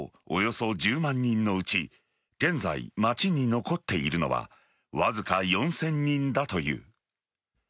およそ１０万人のうち現在、街に残っているのはわずか４０００人だという。